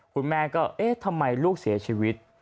คุณแม่ก็เอ๊ะทำไมลูกเสียชีวิต